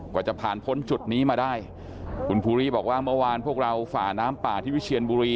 จะผ่านพ้นจุดนี้มาได้คุณภูริบอกว่าเมื่อวานพวกเราฝ่าน้ำป่าที่วิเชียนบุรี